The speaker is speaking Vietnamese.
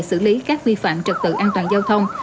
xử lý các vi phạm trật tự an toàn giao thông